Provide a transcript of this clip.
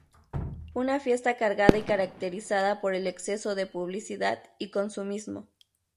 Una fiesta cargada y caracterizada por el exceso de publicidad y consumismo.